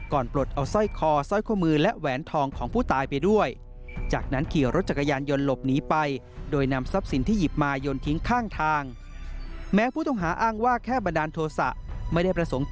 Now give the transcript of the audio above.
ก่อนปลดเอาสร้อยคอสร้อยข้อมือ